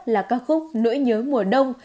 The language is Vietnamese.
là ca khúc nỗi nhớ mùa đông